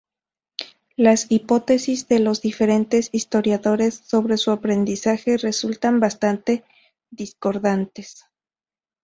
Las hipótesis de los diferentes historiadores sobre su aprendizaje resultan bastante discordantes.